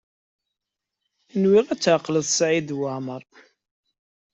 Nwiɣ ad tɛeqleḍ Saɛid Waɛmaṛ.